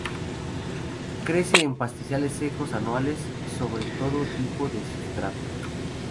Crece en pastizales secos anuales sobre todo tipo de sustratos.